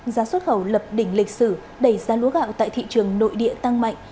giá xuất khẩu lập đỉnh lịch sử đẩy ra lúa gạo tại thị trường nội địa tăng mạnh